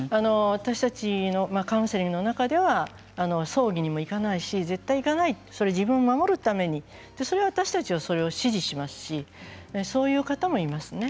私たちのカウンセリングの中では葬儀にも行かないし絶対行かない、自分を守るために私たちはそれを支持するしそういう方もいますね。